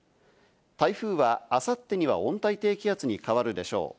台風はあさってには温帯低気圧に変わるでしょう。